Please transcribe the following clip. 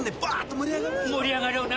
盛り上がろうな。